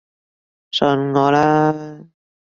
信我啦